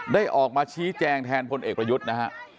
ออกมาชี้แจงแทนพลเอกประยุทธ์นะฮะ